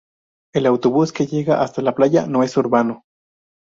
El autobús que llega hasta a la playa no es urbano.